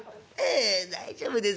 大丈夫ですよ。